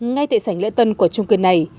ngay tại sảnh lễ tân của trung cư này